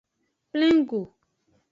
Plengo.